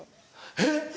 えっ。